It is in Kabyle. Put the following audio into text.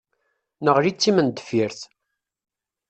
Neɣli d timendeffirt.